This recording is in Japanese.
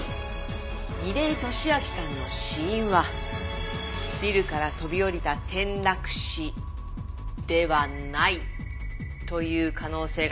楡井敏秋さんの死因はビルから飛び降りた転落死ではないという可能性が高い事がわかった。